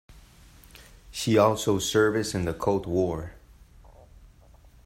She also service in the Cold War.